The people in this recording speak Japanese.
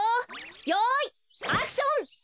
よいアクション！